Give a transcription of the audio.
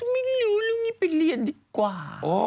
ไม่รู้เรื่องนี้ไปเรียนดีกว่า